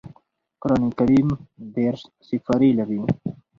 قران کريم دېرش سپاري لري